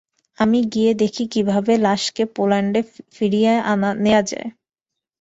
আমি গিয়ে দেখি কীভাবে লাশকে পোল্যান্ডে ফিরিয়ে নেয়া যায়?